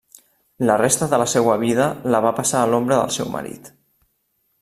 La resta de la seua vida la va passar a l'ombra del seu marit.